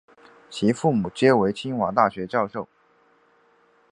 其父母皆为清华大学教授。